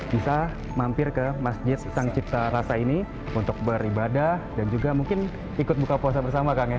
bisa mampir ke masjid sang cipta rasa ini untuk beribadah dan juga mungkin ikut buka puasa bersama kang ya